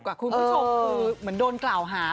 คุณผู้ชมคือเหมือนโดนกล่าวหา